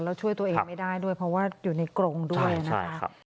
แล้วช่วยตัวเองไม่ได้ด้วยเพราะว่าอยู่ในกรงด้วยนะคะ